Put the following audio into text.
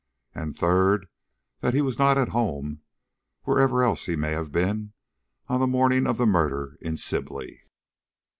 And third, that he was not at home, wherever else he may have been, on the morning of the murder in Sibley.